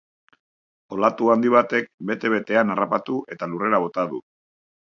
Olatu handi batek bete betean harrapatu eta lurrera bota du.